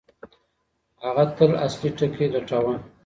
هغه تل اصلي ټکی لټاوه.